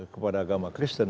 kepada agama kristen